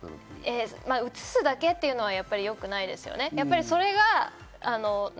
写すだけっていうのはやっぱり良くないですよね。